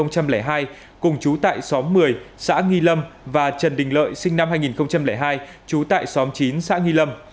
sá nghi lâm và trần đình lợi sinh năm hai nghìn hai chú tại xóm chín xã nghi lâm